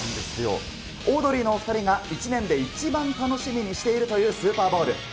オードリーのお２人が１年で一番楽しみにしているというスーパーボウル。